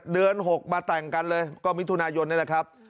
เดือน๖มาแต่งกันเลยก็มิถุนายนนี่แหละครับ